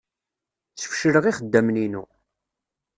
Sfecleɣ ixeddamen-inu.